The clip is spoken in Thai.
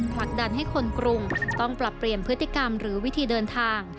ผลักดันให้คนกรุงต้องปรับเปลี่ยนพฤติกรรมหรือวิธีเดินทาง